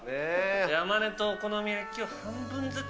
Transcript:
山根とお好み焼きを半分ずつ。